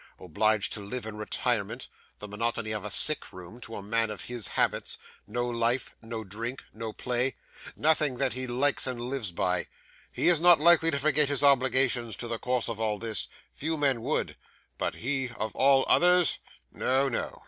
Obliged to live in retirement the monotony of a sick room to a man of his habits no life no drink no play nothing that he likes and lives by. He is not likely to forget his obligations to the cause of all this. Few men would; but he of all others? No, no!